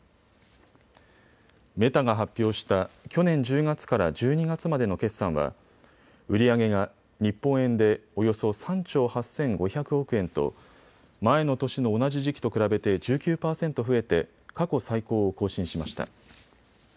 メタが発表した去年１０月から１２月までの決算は売り上げが日本円でおよそ３兆８５００億円と前の年の同じ時期と比べて１９％増えて過去最高を更新しました。